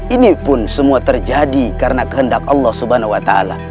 ini pun semua terjadi karena kehendak allah swt